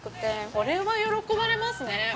これは喜ばれますね。